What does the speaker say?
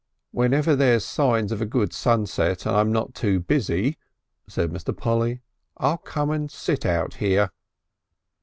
"Whenever there's signs of a good sunset and I'm not too busy," said Mr. Polly, "I'll come and sit out here."